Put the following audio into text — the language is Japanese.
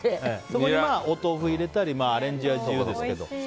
そこにお豆腐入れたりアレンジは自由ですけど。